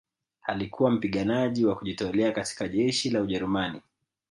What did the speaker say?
alikuwa mpiganaji wa kujitolea katika jeshi la ujerumani